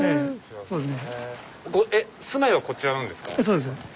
そうですね。